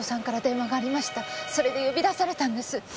それで呼び出されたんです。